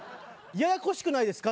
ややこしくないですか？